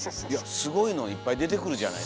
すごいのいっぱい出てくるじゃない。